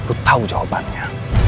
lo tau jawabannya